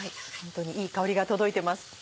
ホントにいい香りが届いてます。